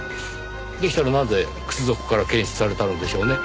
でしたらなぜ靴底から検出されたのでしょうね？